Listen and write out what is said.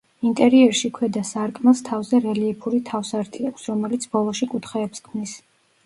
ინტერიერში ქვედა სარკმელს თავზე რელიეფური თავსართი აქვს, რომელიც ბოლოში კუთხეებს ქმნის.